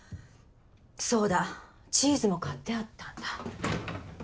そうだチーズも買ってあったんだ。